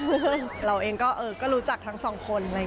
เราเองก็รู้จักทั้งสองคน